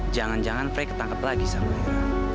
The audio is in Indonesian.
jangan jangan frey ketangkep lagi sama lira